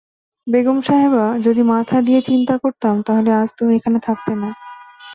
বেগম সাহেবা, যদি মাথা দিয়ে চিন্তা করতাম তাহলে আজ তুমি এখানে থাকতে না।